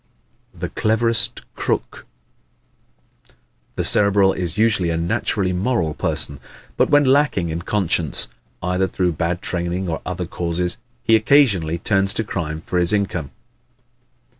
The Cleverest Crook ¶ The Cerebral is usually a naturally moral person. But when lacking in conscience, either through bad training or other causes, he occasionally turns to crime for his income.